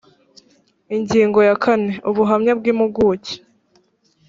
ingingo ya kane ubuhamya bw’impuguke